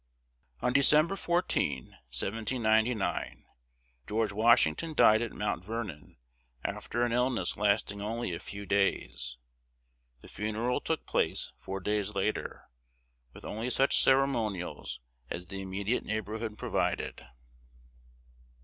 On December 14, 1799, George Washington died at Mount Vernon after an illness lasting only a few days. The funeral took place four days later, with only such ceremonials as the immediate neighborhood provided.